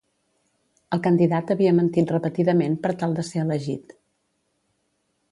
El candidat havia mentit repetidament per tal de ser elegit.